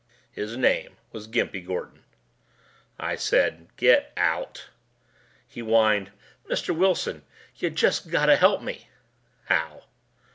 His name was Gimpy Gordon. I said, "Get out!" He whined, "Mr. Wilson, you just gotta help me." "How?"